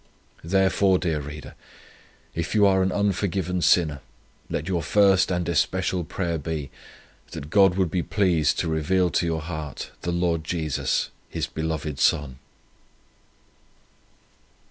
Therefore, dear reader, if you are an unforgiven sinner, let your first and especial prayer be, that God would be pleased to reveal to your heart the Lord Jesus, His beloved Son."